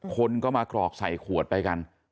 คนก็มากรอกใส่ขวดไปกัน